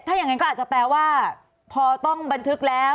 ถ้าอย่างนั้นก็อาจจะแปลว่าพอต้องบันทึกแล้ว